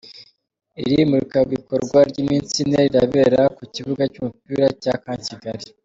Iri murikabikorwa ry’iminsi ine rirabera ku kibuga cy’umupira cya Camp Kigali.